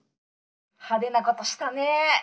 派手なことしたねえ。